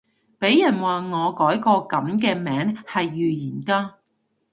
俾人話我改個噉嘅名係預言家